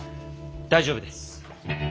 大丈夫です。